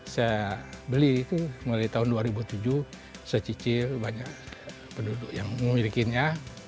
saya beli itu mulai tahun dua ribu tujuh saya cicil banyak penduduk yang memilikinya